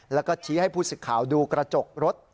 แล้วก็ชี้ให้ผู้สิทธิ์ข่าวดูกระจกรถ